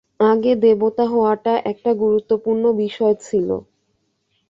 আগে দেবতা হওয়াটা একটা গুরুত্বপূর্ণ বিষয় ছিল।